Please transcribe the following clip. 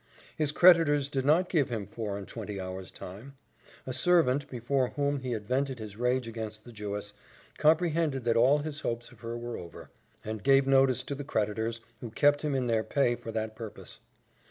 His creditors did not give him four and twenty hours' time: a servant, before whom he had vented his rage against the Jewess, comprehended that all his hopes of her were over, and gave notice to the creditors, who kept him in their pay for that purpose.